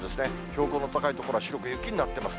標高の高い所は白く雪になっています。